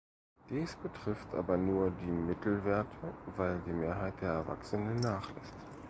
Dies betrifft aber nur die Mittelwerte, weil die Mehrheit der Erwachsenen nachlässt.